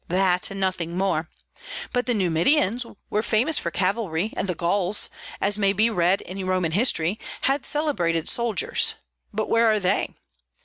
that and nothing more. But the Numidians were famous for cavalry, and the Gauls, as may be read in Roman history, had celebrated soldiers; but where are they?